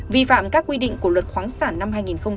vi phạm các quy định của luật khoáng sản năm hai nghìn một mươi